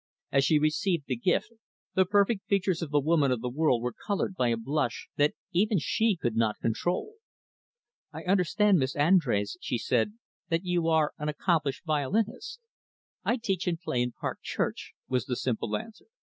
As she received the gift, the perfect features of the woman of the world were colored by a blush that even she could not control. "I understand, Miss Andrés," she said, "that you are an accomplished violinist." "I teach and play in Park Church," was the simple answer.